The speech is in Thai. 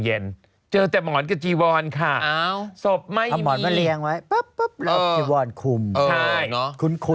สนุนโดยอีซูซูดีแมคบลูพาวเวอร์นวัตกรรมเปลี่ยนโลก